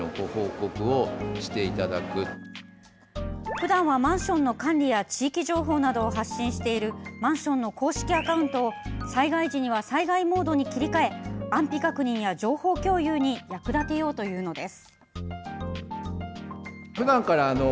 ふだんはマンションの管理や地域情報などを発信しているマンションの公式アカウントを災害時には災害モードに切り替え安否確認や情報共有に役立てようというのです。